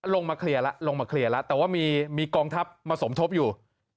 ลงมาเคลียร์แล้วลงมาเคลียร์แล้วแต่ว่ามีกองทัพมาสมทบอยู่